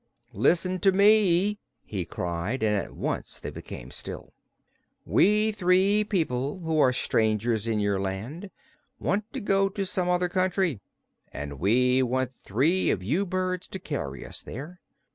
"Listen to me!" he cried, and at once they became still. "We three people who are strangers in your land want to go to some other country, and we want three of you birds to carry us there.